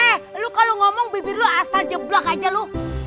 eh lu kalau ngomong bibir lu asal jeblak aja lu